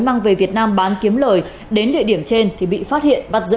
mang về việt nam bán kiếm lời đến địa điểm trên thì bị phát hiện bắt giữ